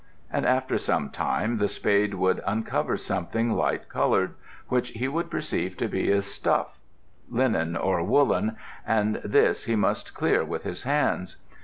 And after some time the spade would uncover something light coloured, which he would perceive to be a stuff, linen or woollen, and this he must clear with his hands.